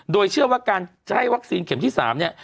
โดยเชื่อว่าการจะให้วัคซีนเข็มที่๓เนี่ย